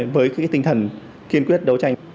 với tinh thần kiên quyết đấu tranh